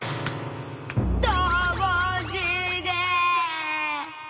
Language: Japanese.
どぼじで！？